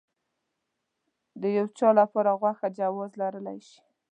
د يو چا لپاره غوسه جواز لرلی شي.